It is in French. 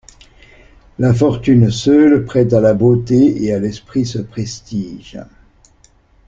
La fortune seule prête à la beauté et à l'esprit ce prestige.